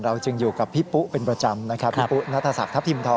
เราจึงอยู่กับพี่ปุ๊เป็นประจำพี่ปุ๊ณทรัพย์ธรรพีมทร